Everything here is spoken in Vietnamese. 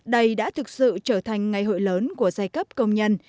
đây đã thực sự trở thành ngày hội lớn của giai cấp công nhân